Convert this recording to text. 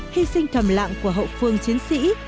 hy sinh thầm lạng của hậu phương chiến sĩ